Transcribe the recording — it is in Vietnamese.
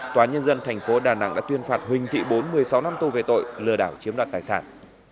tòa nhân dân thành phố đà nẵng đã tuyên phạt huỳnh thị bốn một mươi sáu năm tù về tội lừa đảo chiếm đoạt tài sản